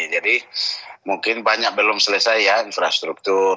jadi mungkin banyak belum selesai ya infrastruktur